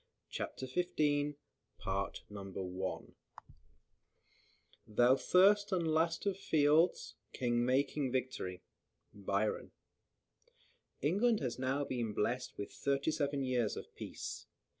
CHAPTER XV. THE BATTLE OF WATERLOO, 1815. "Thou first and last of fields, king making victory." BYRON. England has now been blest with thirty seven years of peace.